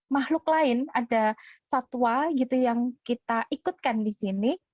makhluk lain ada satwa gitu yang kita ikutkan di sini